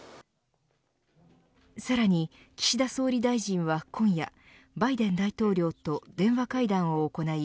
さらに岸田総理大臣は今夜バイデン大統領と電話会談を行い